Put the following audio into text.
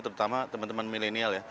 terutama teman teman milenial ya